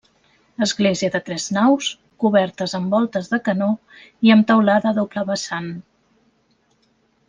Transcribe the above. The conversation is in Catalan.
Església de tres naus, cobertes amb voltes de canó, i amb teulada a doble vessant.